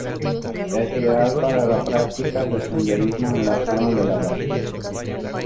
Es ideal para la práctica de senderismo en la zona de la base.